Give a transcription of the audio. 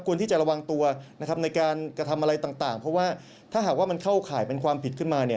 ที่จะระวังตัวนะครับในการกระทำอะไรต่างเพราะว่าถ้าหากว่ามันเข้าข่ายเป็นความผิดขึ้นมาเนี่ย